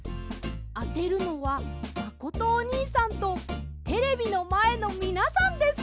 あてるのはまことおにいさんとテレビのまえのみなさんです！